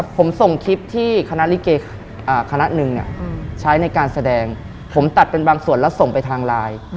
ผมส่งคลิปที่คณะลิเกคณะหนึ่งใช้ในการแสดงผมตัดเป็นบางส่วนแล้วส่งไปทางไลน์